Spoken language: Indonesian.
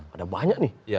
ada banyak nih